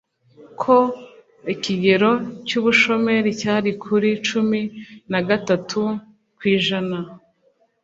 ko ikigero cy'ubushomeri cyari kuri cumi nagatatu kwijana